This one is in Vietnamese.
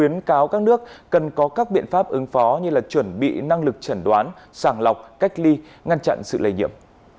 năng lực chẩn đoán sàng lọc cách ly ngăn chặn sự lây nhiệm